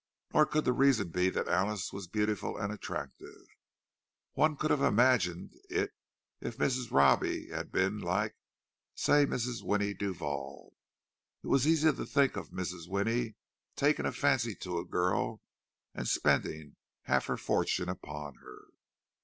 Nor could the reason be that Alice was beautiful and attractive. One could have imagined it if Mrs. Robbie had been like—say, Mrs. Winnie Duval. It was easy to think of Mrs. Winnie taking a fancy to a girl, and spending half her fortune upon her.